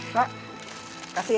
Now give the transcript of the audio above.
pak kasih ya